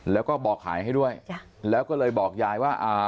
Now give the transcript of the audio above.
แล้วก็บอกขายให้ด้วยจ้ะแล้วก็เลยบอกยายว่าอ่า